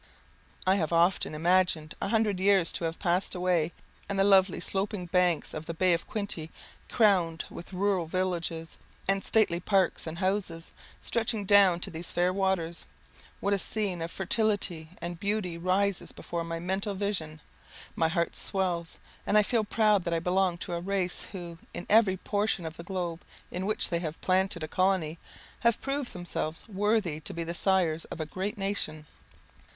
I have often imagined a hundred years to have passed away, and the lovely sloping banks of the Bay of Quinte, crowned with rural villages and stately parks and houses, stretching down to these fair waters. What a scene of fertility and beauty rises before my mental vision! My heart swells, and I feel proud that I belong to a race who, in every portion of the globe in which they have planted a colony, have proved themselves worthy to be the sires of a great nation.